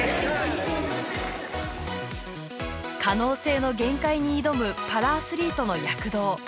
可能性の限界に挑むパラアスリートの躍動。